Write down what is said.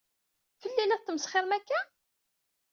Fell-i i la tettmesxiṛem akka?